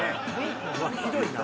ひどいな。